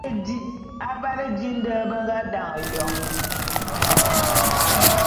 Avale di nde be nga dane Yom.